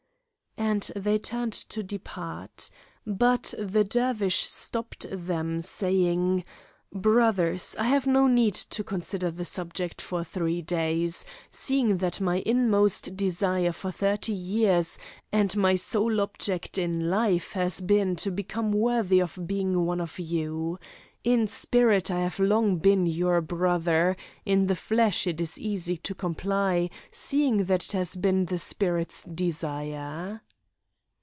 And they turned to depart. But the Dervish stopped them, saying: "Brothers, I have no need to consider the subject for three days, seeing that my inmost desire for thirty years, and my sole object in life has been to become worthy of being one of you. In spirit I have long been your brother, in the flesh it is easy to comply, seeing that it has been the spirit's desire."